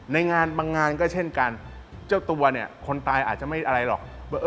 ในงานบางงานก็เช่นกันเจ้าตัวเนี่ยคนตายอาจจะไม่อะไรหรอก